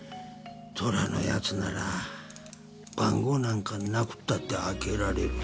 寅のやつなら番号なんかなくったって開けられる